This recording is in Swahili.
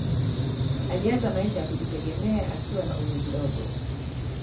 Alianza maisha ya kujitegemea akiwa na umri mdogo.